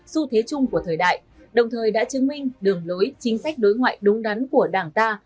xu thế chung của thời đại đồng thời đã chứng minh đường lối chính sách đối ngoại đúng đắn của đảng ta